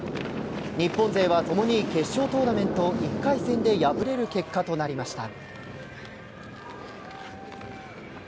日本勢は共に決勝トーナメント１回戦で敗れる結果となりました。